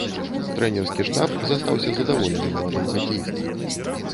Трэнерскі штаб застаўся задаволены маладым хакеістам.